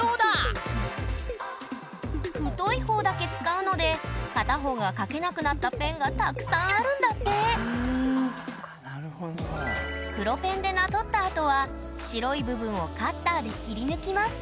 太いほうだけ使うので片方が書けなくなったペンがたくさんあるんだって黒ペンでなぞったあとは白い部分をカッターで切り抜きます。